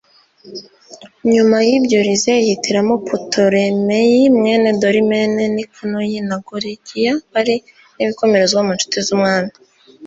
nyuma y'ibyo, liziya yihitiramo putolemeyi mwene dorimene, nikanori na gorigiya bari n'ibikomerezwa mu ncuti z'umwami